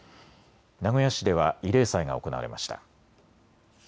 名古屋市では慰霊祭が行われました。